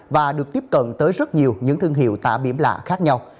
và được tiếp cận tới rất nhiều những thương hiệu tả biển lạ khác nhau